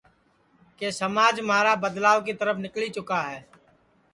کہ سماج مہارا بدلاو کی ترپھ نِکݪی چُکا ہے